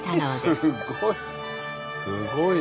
すっごい。